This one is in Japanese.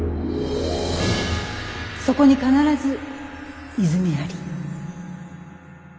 そこに必ず泉あり」。